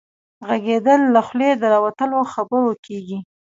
ږغيدل له خولې د راوتلو خبرو کيږي.